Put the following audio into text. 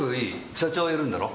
社長いるんだろ？